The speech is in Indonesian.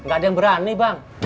gak ada yang berani bang